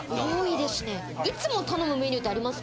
いつも頼むメニューとかありますか？